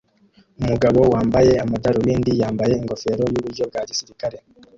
Umugabo wambaye amadarubindi yambaye ingofero yuburyo bwa gisirikare